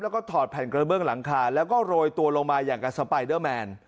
แล้วก็ถอดแผ่นกระเบื้องหลังคาแล้วก็โรยตัวลงมาอย่างกับสไปเดอร์แมน